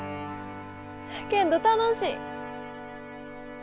けんど楽しい！